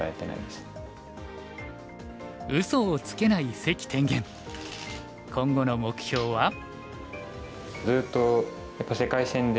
うそをつけない関天元今後の目標は？